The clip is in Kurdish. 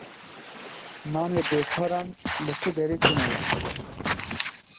Nanê bêkaran li ti derê tune ye.